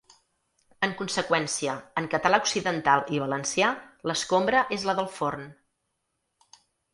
En conseqüència, en català occidental i valencià l’escombra és la del forn.